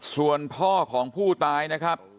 ส่วนพ่อของผู้ตายนะครับ